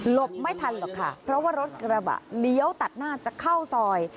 ไม่ทันหรอกค่ะเพราะว่ารถกระบะเลี้ยวตัดหน้าจะเข้าซอย